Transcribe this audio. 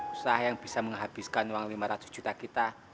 usaha yang bisa menghabiskan uang lima ratus juta kita